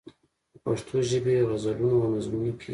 په پښتو ژبې غزلونو او نظمونو کې.